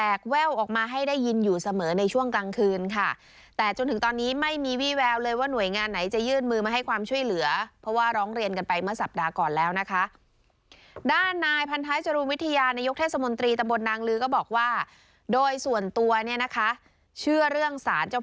เลยเขารีบมาสร้างใหม่ให้โดยด้วน